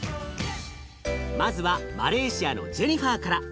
まずはマレーシアのジェニファーから。